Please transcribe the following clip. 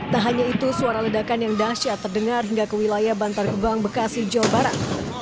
tak hanya itu suara ledakan yang dahsyat terdengar hingga ke wilayah bantar gebang bekasi jawa barat